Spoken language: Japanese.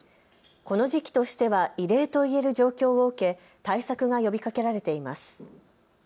この時期としては異例といえる状況を受け対策が呼びかけられています。